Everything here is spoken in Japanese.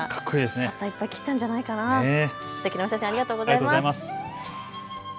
シャッターいっぱい切ったんじゃないかな、すてきなお写真ありがとうございます。